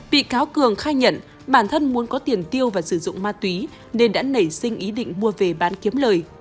bị cáo cường khai nhận bản thân muốn có tiền tiêu và sử dụng ma túy nên đã nảy sinh ý định mua về bán kiếm lời